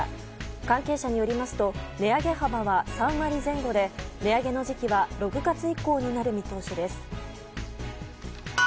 関係者によりますと値上げ幅は３割前後で値上げの時期は６月以降になる見通しです。